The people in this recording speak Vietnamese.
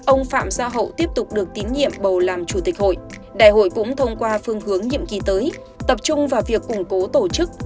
ông phạm gia hậu tiếp tục được tín nhiệm bầu làm chủ tịch hội đại hội cũng thông qua phương hướng nhiệm kỳ tới tập trung vào việc củng cố tổ chức